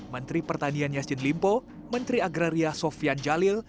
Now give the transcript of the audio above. menteri pertanian yassin limpo menteri agraria sofian jalil